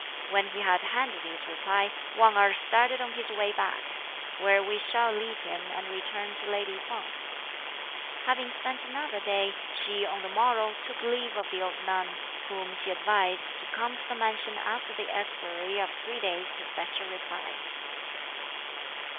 When he had handed his reply, Wang Erh started on his way back; where we shall leave him and return to lady Feng. Having spent another day, she on the morrow took leave of the old nun, whom she advised to come to the mansion after the expiry of three days to fetch a reply.